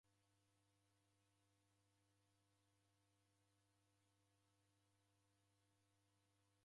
Magi ghapatikana vichungunyi na irikonyi.